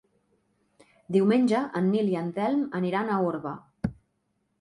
Diumenge en Nil i en Telm aniran a Orba.